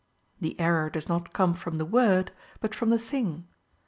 The error does not come from the word, but from the thing.